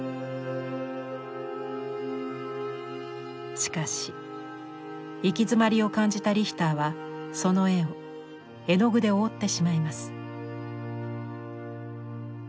しかし行き詰まりを感じたリヒターはその絵を絵の具で覆ってしまいます。